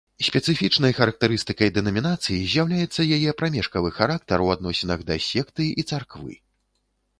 Спецыфічнай характарыстыкай дэнамінацыі з'яўляецца яе прамежкавы характар у адносінах да секты і царквы.